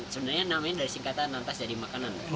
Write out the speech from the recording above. sebenarnya namanya dari singkatan nantas jadi makanan